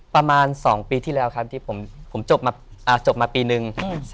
ประมาณ๒ปีที่แล้วครับที่ผมจบมาปีนึง